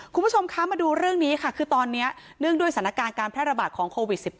คุณผู้ชมคะมาดูเรื่องนี้ค่ะคือตอนนี้เนื่องด้วยสถานการณ์การแพร่ระบาดของโควิด๑๙